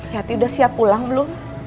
hati udah siap pulang belum